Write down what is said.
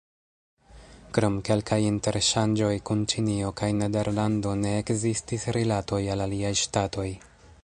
Krom kelkaj interŝanĝoj kun Ĉinio kaj Nederlando ne ekzistis rilatoj al aliaj ŝtatoj.